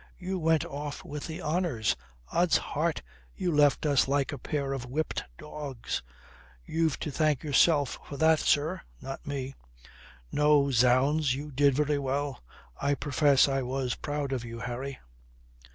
You went off with the honours. Od's heart, you left us like a pair of whipped dogs." "You've to thank yourself for that, sir. Not me." "No, zounds, you did very well. I profess I was proud of you, Harry."